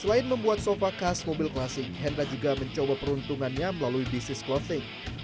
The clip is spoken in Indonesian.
selain membuat sofa khas mobil klasik hendra juga mencoba peruntungannya melalui bisnis clothing